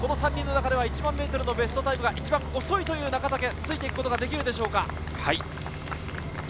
３人の中では１００００ｍのベストタイムが一番を遅いという中武、ついていくことができるでしょうか。